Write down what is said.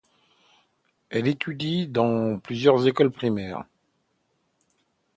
Elle étudie dans plusieurs écoles primaires.